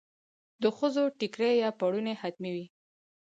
د ښځو ټیکری یا پړونی حتمي وي.